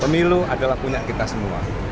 pemilu adalah punya kita semua